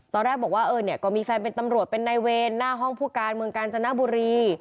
ตอนแรกบอกว่าเออเนี่ยก็มีแฟนเป็นตำรวจเป็นนายเวรหน้าห้องผู้การเมืองกาญจนบุรี